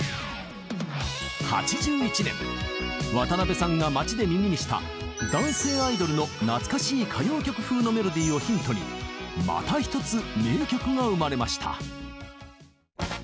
８１年渡辺さんが街で耳にした男性アイドルの懐かしい歌謡曲風のメロディーをヒントにまた一つ名曲が生まれました。